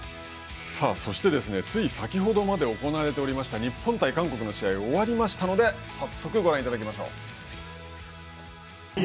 そして、つい先ほどまで行われていた日本対韓国の試合終わりましたので早速ご覧いただきましょう。